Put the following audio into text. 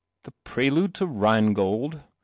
"The prelude to Rhinegold ?'